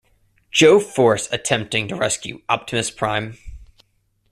Joe force attempting to rescue Optimus Prime.